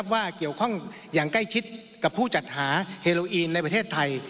ว่าเกี่ยวข้องอย่างใกล้ชิดกับผู้จัดหาเฮโลอีนในประเทศไทย